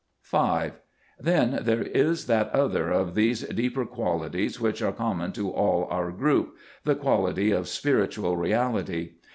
5. Then there is that other of these deeper qualities which are common to all or.r group, the quality of spiritual reality.